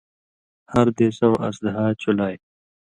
ہر دیسؤں اس دھا چُلائ۔